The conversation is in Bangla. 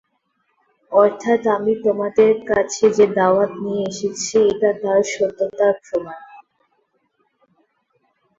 অর্থাৎ আমি তোমাদের কাছে যে দাওয়াত নিয়ে এসেছি এটা তার সত্যতার প্রমাণ।